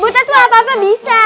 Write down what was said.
buta tuh apaan bisa